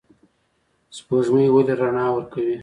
سپوږمۍ ولې رڼا ورکوي؟